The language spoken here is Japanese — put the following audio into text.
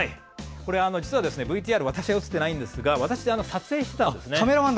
実はＶＴＲ私が映ってないんですが私が撮影していたんですね。